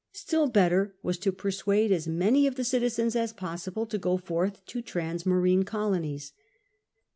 Still better was it to persuade as many of the citizens as possible to go forth to ti'ansmarine colonies.